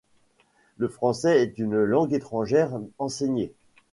Le français est une langue étrangère enseignée.